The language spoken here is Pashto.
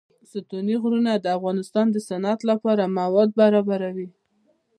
ستوني غرونه د افغانستان د صنعت لپاره مواد برابروي.